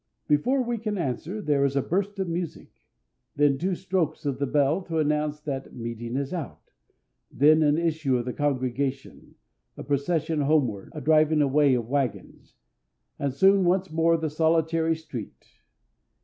Before we can answer there is a burst of music, then two strokes of the bell to announce that "meeting is out;" then an issue of the congregation, a procession homeward, a driving away of wagons, and soon once more the solitary street.